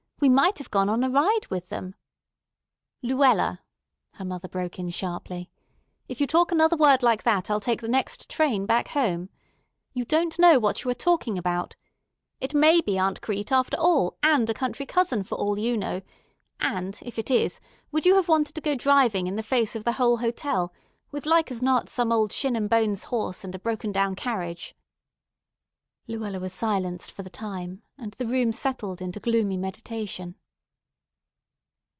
We might have gone on a ride with them." "Luella," her mother broke in sharply, "if you talk another word like that, I'll take the next train back home. You don't know what you are talking about. It may be Aunt Crete, after all, and a country cousin for all you know; and, if it is, would you have wanted to go driving in the face of the whole hotel, with like as not some old shin and bones horse and a broken down carriage?" Luella was silenced for the time, and the room settled into gloomy meditation.